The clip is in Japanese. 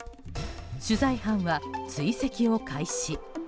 取材班は追跡を開始。